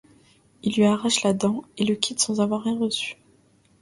Il lui arrache la dent et le quitte sans avoir rien reçu.